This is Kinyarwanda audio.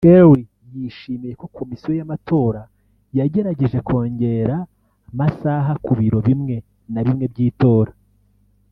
Kerry yishimiye ko Komisiyo y’amatora yagerageje kongera masaha ku biro bimwe na bimwe by’itora